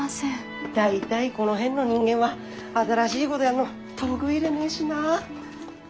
大体この辺の人間は新しいごどやんの得意でねえしなあ。